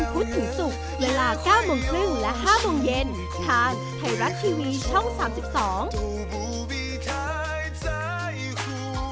แค่ใจหู